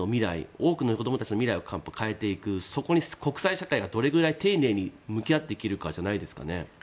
多くの子供たちの未来を変えていくそこに国際社会が、丁寧に向き合っていけるかですよね。